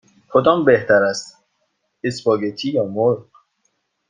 کدام بهتر است: اسپاگتی یا مرغ؟